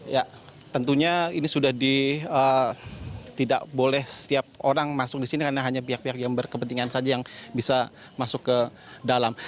ya tentunya ini sudah tidak boleh setiap orang masuk di sini karena hanya pihak pihak yang berkepentingan saja yang bisa masuk ke dalam